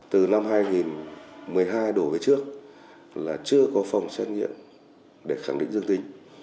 từ năm hai nghìn một mươi hai đổ về trước là chưa có phòng xét nghiệm để khẳng định dương tính